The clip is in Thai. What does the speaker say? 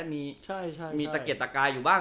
มีตะเกียดตะกายอยู่บ้าง